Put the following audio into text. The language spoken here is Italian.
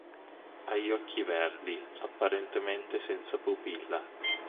Ha gli occhi verdi, apparentemente senza pupilla.